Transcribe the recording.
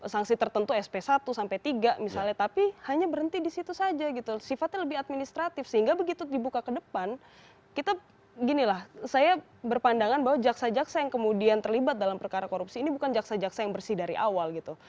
sanksi tertentu sp satu sampai tiga misalnya tapi hanya berhenti di situ saja gitu sifatnya lebih administratif sehingga begitu dibuka ke depan kita ginilah saya berpandangan bahwa jaksa jaksa yang kemudian terlibat dalam perkara korupsi ini bukan jaksa jaksa yang bersih dari awal gitu